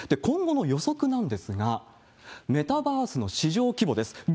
今後の予測なんですが、メタバースの市場規模です。